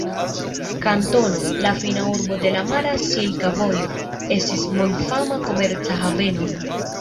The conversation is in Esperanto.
Kantono, la fina urbo de la mara Silka Vojo, estis mondfama komerca haveno.